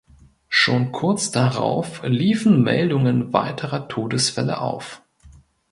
Schon kurz darauf liefen Meldungen weiterer Todesfälle auf.